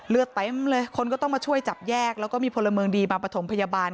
เลือดเต็มเลยคนก็ต้องมาช่วยจับแยกแล้วก็มีพลเมืองดีมาประถมพยาบาล